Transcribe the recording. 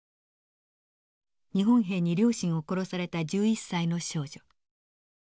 「日本兵に両親を殺された１１歳の少女」。